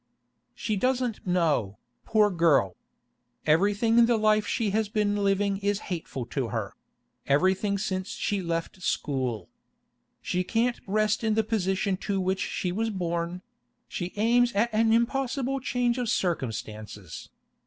'She doesn't know, poor girl! Everything in the life she has been living is hateful to her—everything since she left school. She can't rest in the position to which she was born; she aims at an impossible change of circumstances.